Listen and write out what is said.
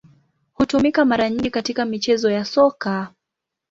Hutumika mara nyingi katika michezo ya Soka.